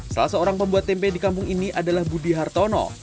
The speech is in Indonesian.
salah seorang pembuat tempe di kampung ini adalah budi hartono